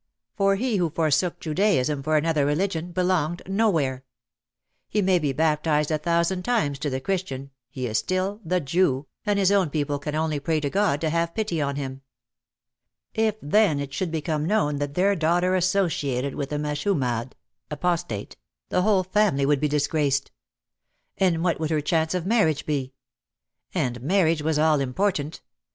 For he who forsook Judaism for another religion belonged nowhere. He may be bap tised a thousand times to the Christian he is still "The Jew" and his own people can only pray to God to have pity on him. If, then, it should become known that their daughter associated with a "meshumad ,, (apostate), the whole family would be disgraced. And what would her chance of marriage be ! And marriage was all important.